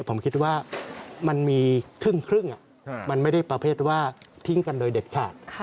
ผมคิดว่ามันมีครึ่งมันไม่ได้ประเภทว่าทิ้งกันโดยเด็ดขาด